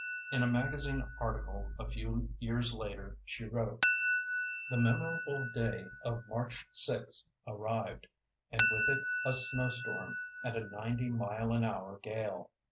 In a magazine article, a few years later, she wrote: The memorable day of March 6th arrived, and with it a snow storm and a ninety mile an hour gale.